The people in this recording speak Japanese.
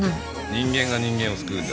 人間が人間を救うんだ。